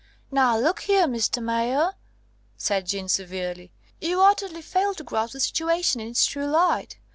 "Now, look here, Mr. Mayor," said Jeanne severely, "you utterly fail to grasp the situation in its true light.